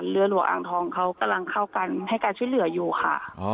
เรือหลวงอ่างทองเขากำลังเข้ากันให้การช่วยเหลืออยู่ค่ะ